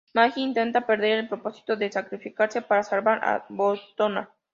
Maggie intenta perder el propósito de sacrificarse para salvar a Daytona.